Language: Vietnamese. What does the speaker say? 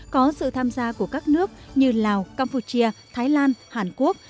có sự tham gia của các nước như lào campuchia thái lan hàn quốc